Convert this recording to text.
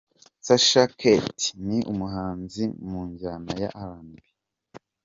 Sacha Kat: ni umuhanzi mu njyana ya RnB.